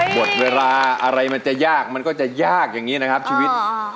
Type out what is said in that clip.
หมดเวลาอะไรมันจะยากมันก็จะยากอย่างนี้นะครับชีวิต